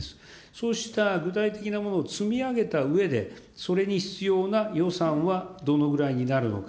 そうした具体的なものを積み上げたうえで、それに必要な予算はどのぐらいになるのか。